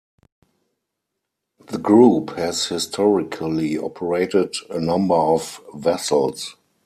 The group has historically operated a number of vessels.